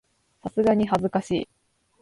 さすがに恥ずかしい